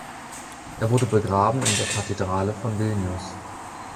Er wurde begraben in der Kathedrale von Vilnius.